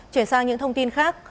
chuyển sang những thông tin khác